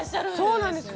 そうなんですよ